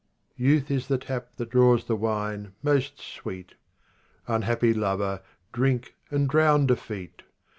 Youth is the tap that draws the wine most sweet. Unhappy lover, drink and drown defeat